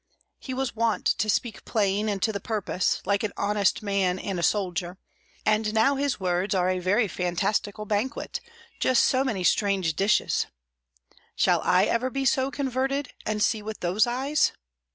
He was wont to speak plain and to the purpose, like an honest man and a soldier; and now his words are a very fantastical banquet, just so many strange dishes. Shall I ever be so converted, and see with those eyes?